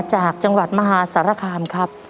จากจังหวัดมหา๓๘๒๐